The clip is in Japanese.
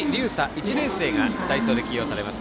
１年生が代走で起用されます。